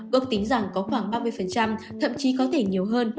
ước tính rằng có khoảng ba mươi thậm chí có thể nhiều hơn